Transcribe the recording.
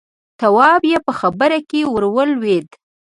تواب يې په خبره کې ور ولوېد: